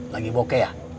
lagi bokeh ya